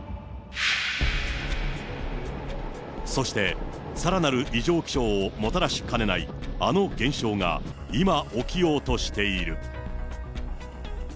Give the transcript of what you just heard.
そして、さらなる異常気象をもたらしかねないあの現象が、今、起きようとしている。